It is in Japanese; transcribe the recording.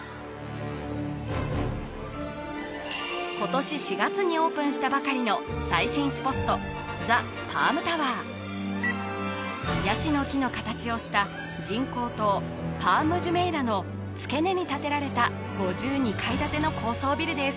今年４月にオープンしたばかりの最新スポットザ・パームタワーヤシの木の形をした人工島パーム・ジュメイラの付け根に建てられた５２階建ての高層ビルです